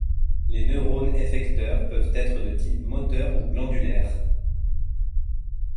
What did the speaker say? Les neurones effecteurs peuvent être de type moteur ou glandulaire.